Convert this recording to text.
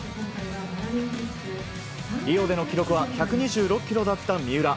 リオでの記録は１２６ｋｇだった三浦